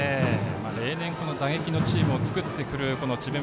例年打撃のチームを作ってくるこの智弁